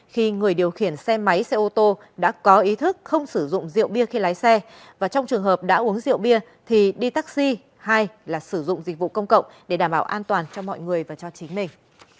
khi người điều khiển xe máy xe ô tô đã có ý thức không sử dụng rượu bia khi lái xe và trong trường hợp đã uống rượu bia thì đi taxi hay là sử dụng dịch vụ công cộng để đảm bảo an toàn cho mọi người và cho chính mình